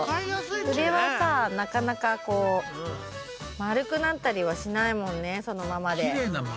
筆はさなかなかこう丸くなったりはしないもんねそのままで。